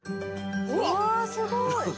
うわすごい！